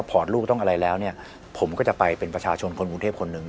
พอร์ตลูกต้องอะไรแล้วเนี่ยผมก็จะไปเป็นประชาชนคนกรุงเทพคนหนึ่ง